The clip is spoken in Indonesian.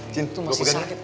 cintu masih sakit